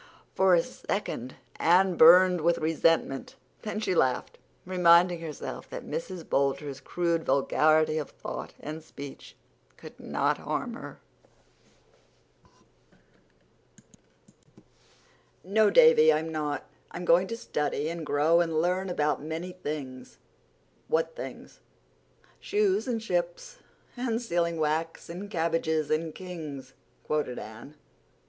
For a second Anne burned with resentment. Then she laughed, reminding herself that Mrs. Boulter's crude vulgarity of thought and speech could not harm her. "No, Davy, I'm not. I'm going to study and grow and learn about many things." "What things?" "'Shoes and ships and sealing wax And cabbages and kings,'" quoted Anne.